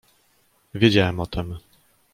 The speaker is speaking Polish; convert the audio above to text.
"Wiedziałem o tem."